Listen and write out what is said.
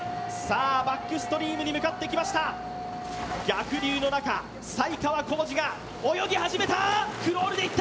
バックストリームに向かってきました、逆流の中、才川コージが泳ぎ始めたクロールでいった。